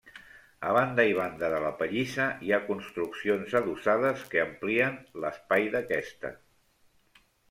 A banda i banda de la pallissa hi ha construccions adossades que amplien l'espai d'aquesta.